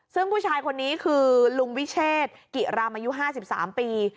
ซึ่งผู้ชายคนนี้คือลุงวิเชษกิรำอายุ๕๓ปี